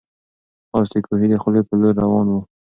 آس د کوهي د خولې په لور روان و.